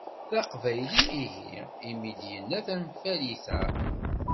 D aqbayli ihi imi d-yenna tanfalit-a?